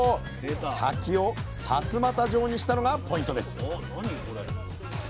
先を「さすまた状」にしたのがポイントです